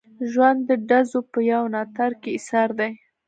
ژوند د ډزو په یو ناتار کې ایسار دی.